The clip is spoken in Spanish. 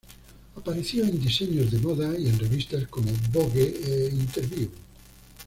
Apareció en diseños de moda en revistas como Vogue e Interview.